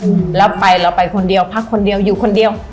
อืมแล้วไปเราไปคนเดียวพักคนเดียวอยู่คนเดียว